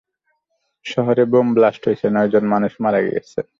শহরে bomb blast হইছে, নয়জন মানুষ মারা গেছে।